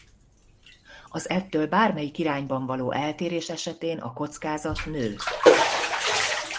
Az ettől bármelyik irányban való eltérés esetén a kockázat nő.